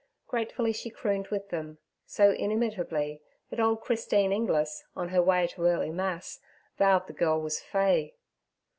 Gratefully she crooned with them, so inimitably that old Christine Inglis, on her way to early Mass, vowed the girl was fey.